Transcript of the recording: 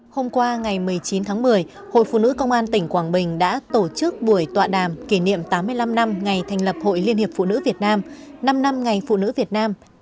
hôm qua ngày một mươi chín tháng một mươi hội phụ nữ công an tỉnh quảng bình đã tổ chức buổi tọa đàm kỷ niệm tám mươi năm năm ngày thành lập hội liên hiệp phụ nữ việt nam năm năm ngày phụ nữ việt nam